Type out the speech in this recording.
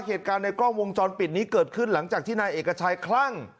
เหตุการณ์ในกล้องวงจรปิดนี้เกิดขึ้นหลังจากที่นายเอกชัยคลั่ง